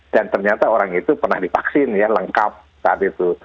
dan ternyata orang itu pernah dipaksin ya lengkap saat itu